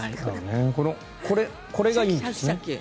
これがいいんですね。